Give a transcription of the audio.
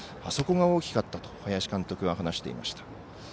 あそこが大きかったと林監督が話していました。